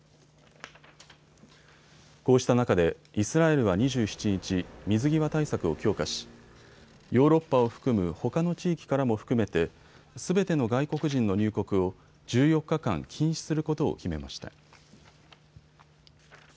こうした中でイスラエルは２７日、水際対策を強化しヨーロッパを含むほかの地域からも含めてすべての外国人の入国を１４日間、禁止することを決めました。